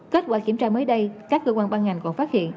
kết quả kiểm tra mới đây các cơ quan ban ngành còn phát hiện